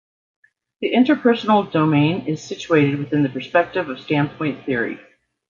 The interpersonal domain is situated within the perspective of standpoint theory.